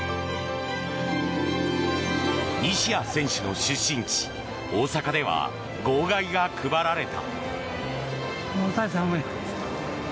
西矢選手の出身地、大阪では号外が配られた。